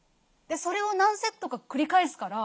それを何セットか繰り返すから